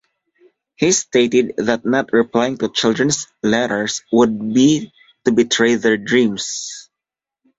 He stated that not replying to children's letters would be to betray their dreams.